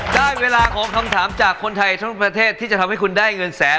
ได้เวลาของคำถามจากคนไทยทั้งประเทศที่จะทำให้คุณได้เงินแสน